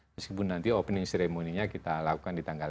meskipun nanti opening ceremony nya kita lakukan di tanggal dua puluh